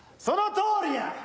そのとおりや！